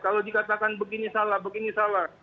kalau dikatakan begini salah begini salah